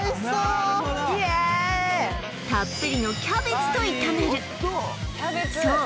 なるほどたっぷりのキャベツと炒めるそう